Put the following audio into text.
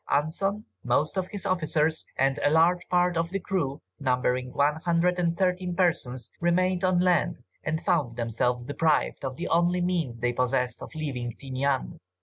Anson, most of his officers, and a large part of the crew, numbering one hundred and thirteen persons, remained on land and found themselves deprived of the only means they possessed of leaving Tinian.